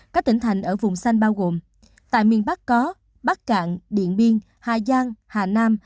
các tỉnh thành ở vùng xanh bao gồm tại miền bắc có bắc cạn điện biên hà giang hà nam